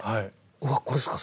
うわこれっすか？